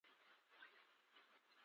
پیلوټ د پرواز خوند احساسوي.